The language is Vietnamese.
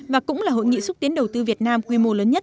và cũng là hội nghị xúc tiến đầu tư việt nam quy mô lớn nhất